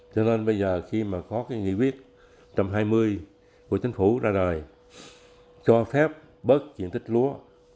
cho nên bây giờ khi mà có cái nghị quyết một trăm hai mươi của chính phủ ra đời cho phép bớt diện tích lúa